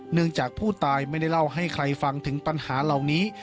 จากผู้ตายไม่ได้เล่าให้ใครฟังถึงปัญหาเหล่านี้